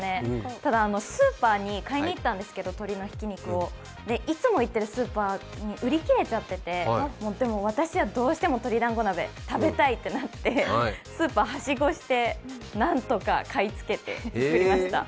ただスーパーに鶏のひき肉を買いにいったんですがいつも行っているスーパーに売り切れちゃっててでも、私はどうしても鶏団子鍋食べたいってなって、スーパーをはしごして何とか買い付けて食べました。